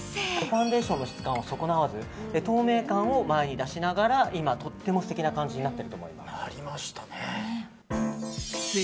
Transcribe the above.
ファンデーションの質感を損なわず透明感を前に出しながら今とっても素敵な感じになってると思います。